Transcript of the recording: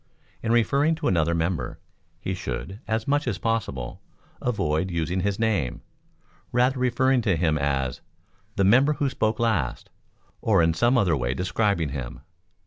In referring to another member, he should, as much as possible, avoid using his name, rather referring to him as "the member who spoke last," or in some other way describing him.